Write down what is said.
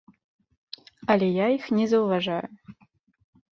Але я іх не заўважаю.